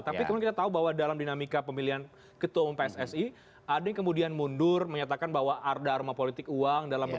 tapi kemudian kita tahu bahwa dalam dinamika pemilihan ketua umum pssi ada yang kemudian mundur menyatakan bahwa ada arma politik uang